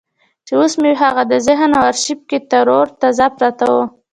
چې اوس مې هم د ذهن په ارشيف کې ترو تازه پرته ده.